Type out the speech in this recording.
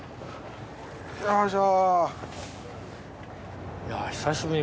よいしょ。